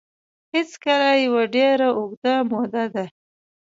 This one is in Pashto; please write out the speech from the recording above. هېڅکله یوه ډېره اوږده موده ده